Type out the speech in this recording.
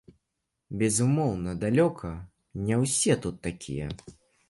Безумоўна, далёка не ўсе тут такія.